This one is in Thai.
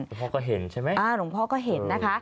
หลวงพ่อก็เห็นใช่ไหมอ่าหลวงพ่อก็เห็นนะคะ